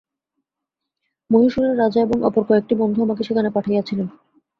মহীশূরের রাজা এবং অপর কয়েকটি বন্ধু আমাকে সেখানে পাঠাইয়াছিলেন।